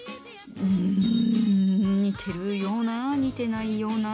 うん似てるような似てないような。